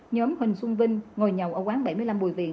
nhóm huỳnh xuân vinh ngồi nhậu ở quán bảy mươi năm bùi viện